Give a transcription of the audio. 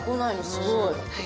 すごい。